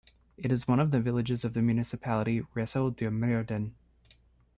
It is one of the villages of the municipality Reusel-De Mierden.